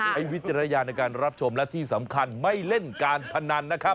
วิจารณญาณในการรับชมและที่สำคัญไม่เล่นการพนันนะครับ